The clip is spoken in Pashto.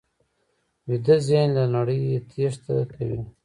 ویده ذهن له نړۍ تېښته کوي